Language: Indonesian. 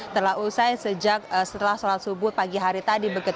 telah usai sejak setelah sholat subuh pagi hari tadi